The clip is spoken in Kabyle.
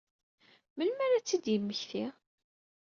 Melmi ara ad tt-id-yemmekti?